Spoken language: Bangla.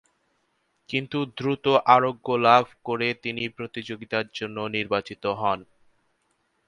কিন্তু দ্রুত আরোগ্য লাভ করে তিনি প্রতিযোগিতার জন্য নির্বাচিত হন।